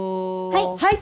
はい！